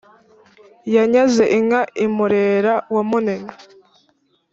yanyaze inka i murera wa munini